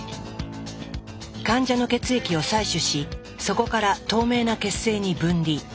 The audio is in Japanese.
患者の血液を採取しそこから透明な血清に分離。